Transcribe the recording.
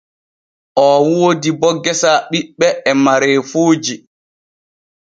Oo woodi bo gesa ɓiɓɓe e mareefuuji.